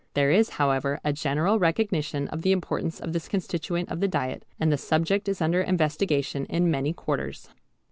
There is however a general recognition of the importance of this constituent of the diet, and the subject is under investigation in many quarters.